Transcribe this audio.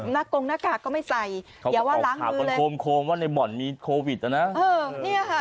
นักกงหน้ากากก็ไม่ใส่เขาขอบความโคมว่าในหม่อนมีโควิดล่ะนะ